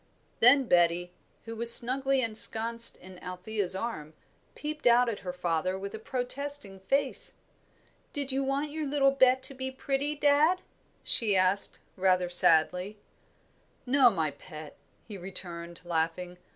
Then Betty, who was snugly ensconced in Althea's arm, peeped out at her father with a protesting face. "Did you want your little Bet to be pretty, dad?" she asked, rather sadly. "No, my pet," he returned, laughing.